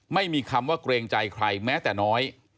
ไม่มีคำว่าเกรงใจใครแม้แต่น้อย